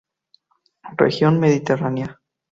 Región mediterránea.